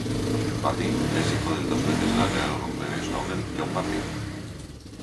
Bardeen es hijo del dos veces laureado con el premios Nobel John Bardeen.